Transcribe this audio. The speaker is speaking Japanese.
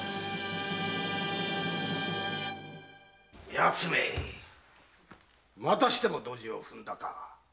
奴めまたしてもドジを踏んだか。